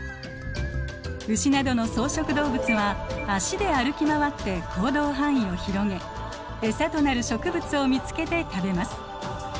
ウシなどの草食動物は脚で歩き回って行動範囲を広げエサとなる植物を見つけて食べます。